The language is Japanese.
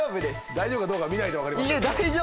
大丈夫かどうかは見ないと分かりません。